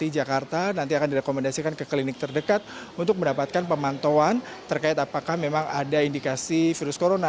di jakarta nanti akan direkomendasikan ke klinik terdekat untuk mendapatkan pemantauan terkait apakah memang ada indikasi virus corona